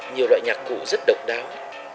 nhiều loại nhạc cụ rất độc đáo